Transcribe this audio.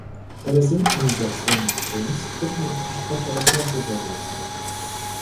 Bei der Synchronisation des Films griff man auf die Sprecher der Fernsehserie zurück.